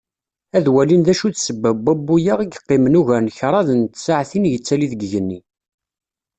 Ad walin d acu d ssebba n wabbu-a i yeqqimen ugar n kraḍ n tsaɛtin yettali deg yigenni.